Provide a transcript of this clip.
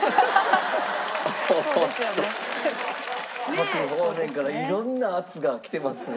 各方面から色んな圧が来てますが。